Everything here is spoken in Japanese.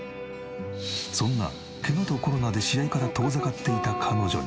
そんなケガとコロナで試合から遠ざかっていた彼女に。